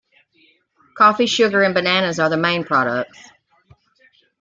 Coffee, sugar, and bananas are the main products.